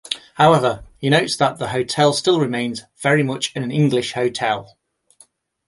However, he notes that the hotel still remains "very much an English hotel".